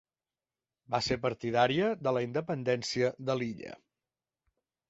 Va ser partidària de la independència de l'illa.